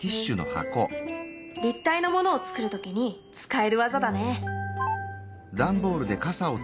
立体のものを作る時に使える技だね。